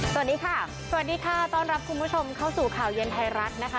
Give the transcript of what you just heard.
สวัสดีค่ะสวัสดีค่ะต้อนรับคุณผู้ชมเข้าสู่ข่าวเย็นไทยรัฐนะคะ